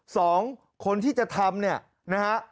สองคนที่จะทำเนี่ยนะฮะ